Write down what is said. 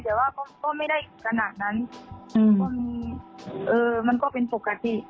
แต่ว่าก็ไม่ได้ขนาดนั้นมันก็เป็นสุขกัดที่